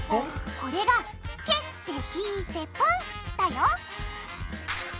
これが「蹴って引いてポン」だよ